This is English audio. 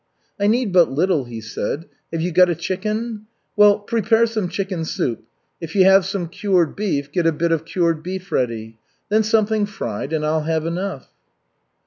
"I need but little," he said. "Have you got a chicken? Well, prepare some chicken soup. If you have some cured beef, get a bit of cured beef ready. Then something fried, and I'll have enough."